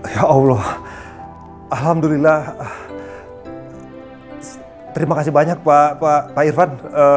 ya allah alhamdulillah terima kasih banyak pak irfan